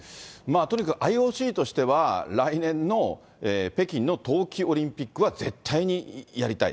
とにかくＩＯＣとしては、来年の北京の冬季オリンピックは絶対にやりたい。